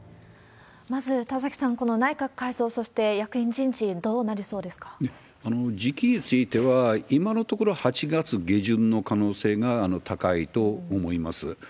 まず田崎さん、この内閣改造、そして役員人事、時期については、今のところ８月下旬の可能性が高いと思います。